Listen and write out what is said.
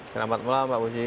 selamat malam pak puji